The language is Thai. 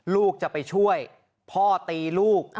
ลูกจะไปช่วยพ่อตีลูก